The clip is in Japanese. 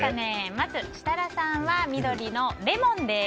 まず設楽さんは緑のレモンです。